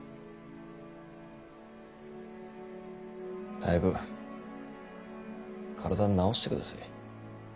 早く体を治してください。